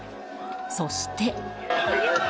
そして。